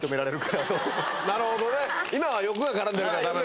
なるほどね今は欲が絡んでるからダメ。